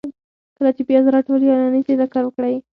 کله چي پیاز راټول یا رانیسئ ، دا کار وکړئ: